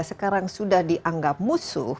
sekarang sudah dianggap musuh